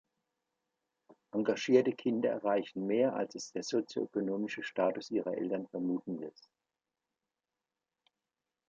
Engagierte Kinder erreichen mehr, als es der sozioökonomische Status ihrer Eltern vermuten lässt.